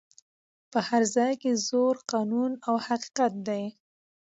په هر ځای کي زور قانون او حقیقت دی